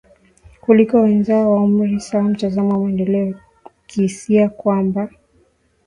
kuliko wenzao wa umri sawa Mtazamo wa maendeleo hukisia kwamba